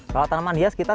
kalau tanaman hias kita